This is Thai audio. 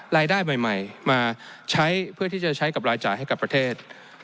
รายได้ใหม่มาใช้เพื่อที่จะใช้กับรายจ่ายให้กับประเทศ